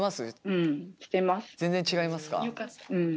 うん。